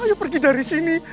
ayo pergi dari sini